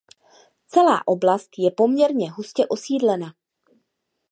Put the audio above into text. Celá oblast je poměrně hustě osídlena.